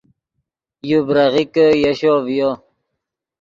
یو بریغیکے یشو ڤیو